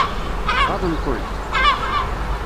Ɣaḍen-kent?